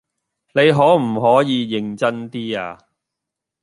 你可唔可以認真 D 呀？